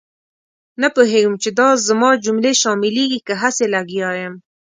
نه پوهېږم چې دا زما جملې شاملېږي که هسې لګیا یم.